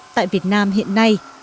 tại việt nam hiện nay